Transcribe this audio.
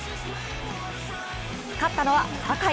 勝ったのは坂井。